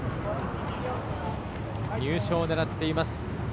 入賞を狙っています。